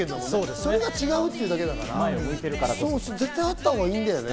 それが違うっていうだけだから、絶対あったほうがいいんだよね。